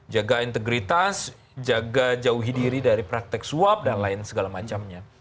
jaga integritas jaga jauhi diri dari praktek suap dan lain segala macamnya